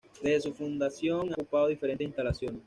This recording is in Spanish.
Desde su fundación ha ocupado diferentes instalaciones.